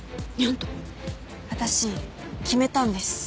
私決めたんです。